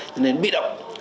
cho nên bị động